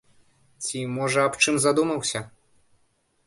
Ці, можа, аб чым задумаўся?